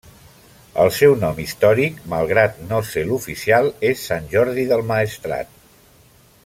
El seu nom històric, malgrat no ser l'oficial, és Sant Jordi del Maestrat.